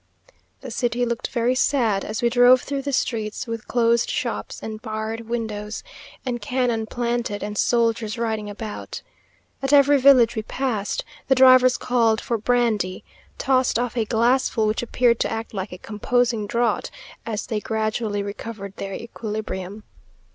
The city looked very sad, as we drove through the streets; with closed shops, and barred windows, and cannon planted, and soldiers riding about. At every village we passed, the drivers called for brandy, tossed off a glassful, which appeared to act like a composing draught, as they gradually recovered their equilibrium.